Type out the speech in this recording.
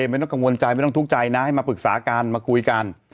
ไม่ต้องกังวลใจไม่ต้องทุกข์ใจนะให้มาปรึกษากันมาคุยกัน